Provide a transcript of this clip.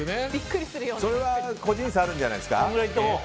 それは個人差があるんじゃないですか。